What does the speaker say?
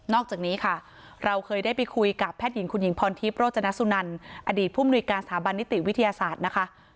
อกจากนี้ค่ะเราเคยได้ไปคุยกับแพทย์หญิงคุณหญิงพรทิพย์โรจนสุนันอดีตผู้มนุยการสถาบันนิติวิทยาศาสตร์นะคะ